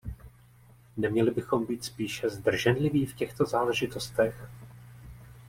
Neměli bychom být spíše zdrženliví v těchto záležitostech?